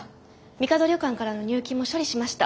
みかど旅館からの入金も処理しました。